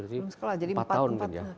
belum sekolah jadi empat tahun mungkin ya